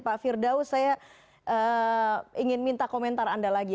pak firdaus saya ingin minta komentar anda lagi